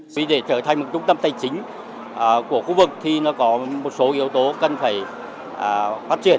vì để trở thành một trung tâm tài chính của khu vực thì nó có một số yếu tố cần phải phát triển